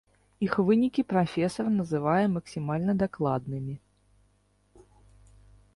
Іх вынікі прафесар называе максімальна дакладнымі.